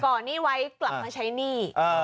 หนี้ไว้กลับมาใช้หนี้